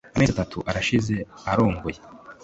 amezi atatu arashize araongoye